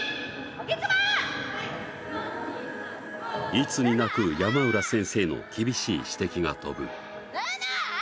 いつになく山浦先生の厳しい指摘が飛ぶ。